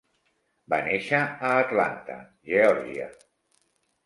Va néixer a Atlanta (Geòrgia).